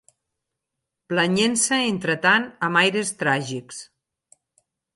Planyent-se entretant amb aires tràgics